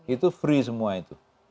itu free semua itu